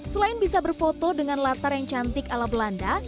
selain bisa berfoto dengan latar yang cantik ala belanda